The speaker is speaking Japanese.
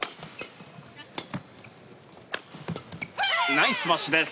ナイススマッシュです！